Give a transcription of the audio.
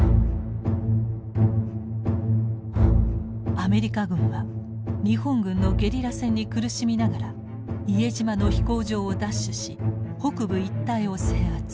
アメリカ軍は日本軍のゲリラ戦に苦しみながら伊江島の飛行場を奪取し北部一帯を制圧。